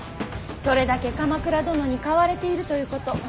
それだけ鎌倉殿に買われているということ。